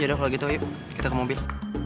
yaudah kalau gitu yuk kita ke mobil